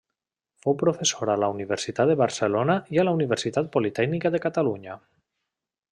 Fou professor a la Universitat de Barcelona i a la Universitat Politècnica de Catalunya.